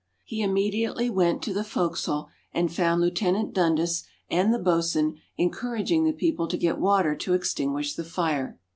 "He immediately went to the fore castle, and found Lieut. Dundas and the boatswain encouraging the people to get water to extinguish the fire.